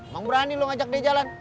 mau berani lo ngajak dia jalan